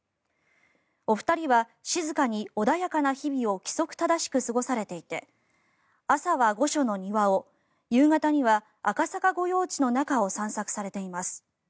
お二人は静かに穏やかな日々を規則正しく過ごされていて朝は御所の庭を夕方には赤坂御用地の中を散策されています。